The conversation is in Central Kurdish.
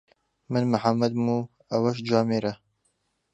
من محەممەدم و ئەوەش جوامێرە.